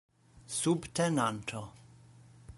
subtenanto